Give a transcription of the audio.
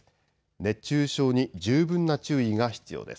熱中症に十分な注意が必要です。